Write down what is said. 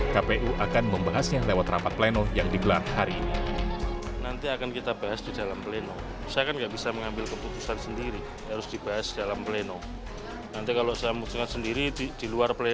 kpu akan membahasnya lewat rapat pleno yang digelar hari ini